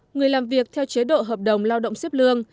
người làm việc theo chế độ hợp đồng lao động xếp lương